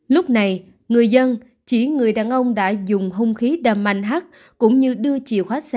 lúc này người dân chỉ người đàn ông đã dùng hung khí đâm anh h